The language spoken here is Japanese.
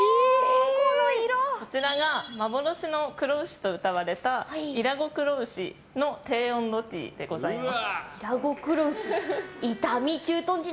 こちらが幻の黒牛とうたわれた伊良湖黒牛の低温ロティでございます。